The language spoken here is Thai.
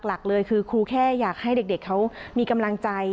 หลักเลยคือครูแค่อยากให้เด็กเขามีกำลังใจ